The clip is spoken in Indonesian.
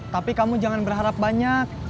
tapi kamu jangan berharap banyak